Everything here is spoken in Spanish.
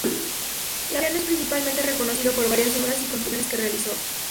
Laureano es principalmente reconocido por varias obras y construcciones que realizó.